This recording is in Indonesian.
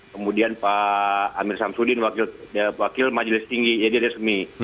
kemudian pak amir samsudin wakil majelis tinggi jadi resmi